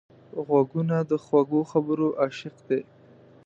غوږونه د خوږو خبرو عاشق دي